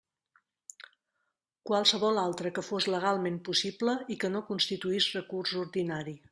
Qualsevol altra que fos legalment possible i que no constituís recurs ordinari.